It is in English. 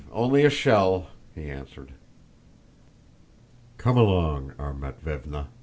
only a shell..." he answered. "Come along, our Matvévna!"